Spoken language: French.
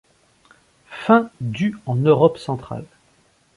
Fin du en Europe centrale.